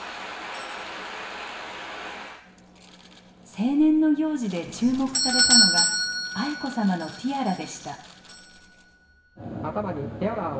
成年の行事で注目されたのが愛子さまのティアラでした。